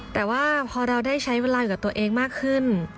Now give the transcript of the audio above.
แต่ว่าพอเราได้ใช้เวลาอยู่กับตัวเองมากขึ้น